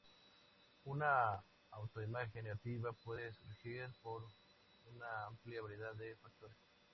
Una auto imagen negativa pueden surgir por una amplia variedad de factores.